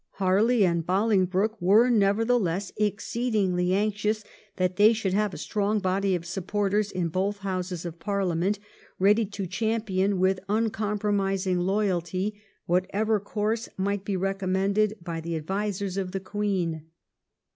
Harley and Bolingbroke were nevertheless exceedingly anxious that they should have a strong body of supporters in both Houses of Parliament, ready to champion with uncompromising loyalty whatever course might be recommended by the advisers of the Queen.